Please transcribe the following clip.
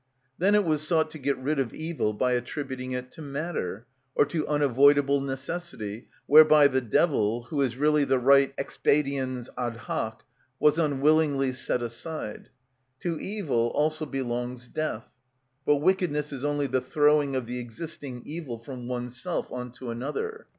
Then it was sought to get rid of evil by attributing it to matter, or to unavoidable necessity, whereby the devil, who is really the right Expediens ad hoc, was unwillingly set aside. To evil also belongs death; but wickedness is only the throwing of the existing evil from oneself on to another.